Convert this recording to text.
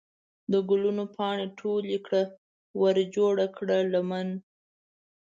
د ګلو پاڼې ټولې کړه ورجوړه کړه لمن